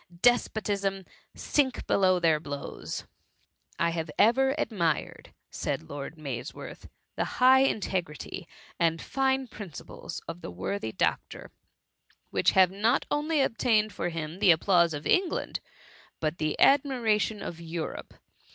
Despotism, sink be neath their blows !"" I have ever admired," said Lord Mays worth, " the high integrity and fine princi ples of the worthy doctor, which have not only obtained for him the applause of Eng land, but the admiration of Europe.